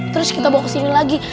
terus kita bawa kesini lagi